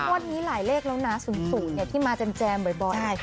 งวดนี้หลายเลขแล้วนะ๐๐ที่มาแจมบ่อย